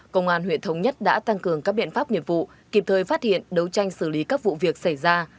công an huyện thống nhất đã tăng cường các biện pháp nghiệp vụ kịp thời phát hiện đấu tranh xử lý các vụ việc xảy ra